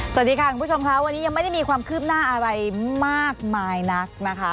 สวัสดีค่ะคุณผู้ชมค่ะวันนี้ยังไม่ได้มีความคืบหน้าอะไรมากมายนักนะคะ